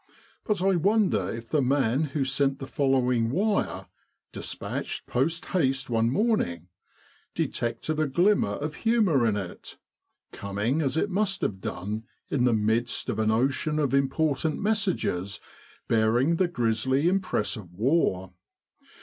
But I won der if the man who sent the following wire des patched post haste one morning detected a glimmer of humour in it, coming as it must have done in the midst of an ocean of important niessages bearing the grizzly impress of War.